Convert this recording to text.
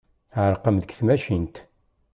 Tɛerqem deg tmacint.